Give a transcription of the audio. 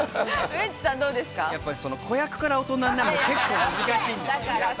子役から大人になるって結構、難しいんですよ。